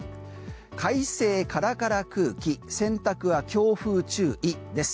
快晴からから空気洗濯は強風注意です。